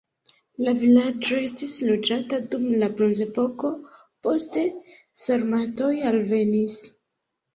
La vilaĝo estis loĝata dum la bronzepoko, poste sarmatoj alvenis.